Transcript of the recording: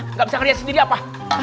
nggak bisa kerja sendiri apa